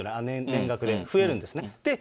年額で、増えるんですね。